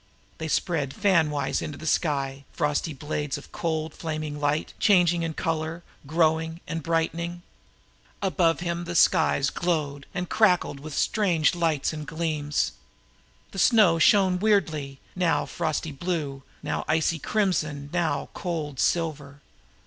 They spread fan wise into the sky, frosty blades of cold flaming light, changing in color, growing and brightening. Above him the skies glowed and crackled with strange lights and gleams. The snow shone weirdly, now frosty blue, now icy crimson, now cold silver.